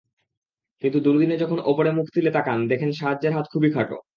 কিন্তু দুর্দিনে যখন ওপরে মুখ তুলে তাকান, দেখেন সাহায্যের হাত খুবই খাটো।